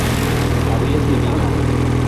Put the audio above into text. habrías vivido